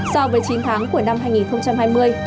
so với chín tháng của năm hai nghìn hai mươi